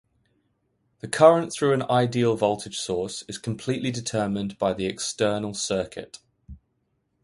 The current through an ideal voltage source is completely determined by the external circuit.